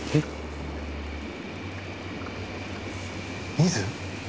ミズ？